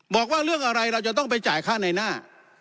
บอกว่าเรื่องอะไรเราจะต้องไปจ่ายค่าในหน้า